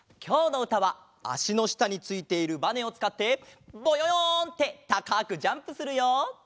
きょうのうたはあしのしたについているばねをつかって「ぼよよん」ってたかくジャンプするよ。